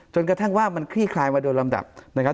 จนกระทั่งว่ามันคลี่คลายมาโดนลำดับนะครับ